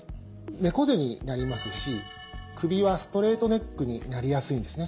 猫背になりますし首はストレートネックになりやすいんですね。